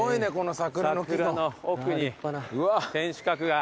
桜の奥に天守閣が。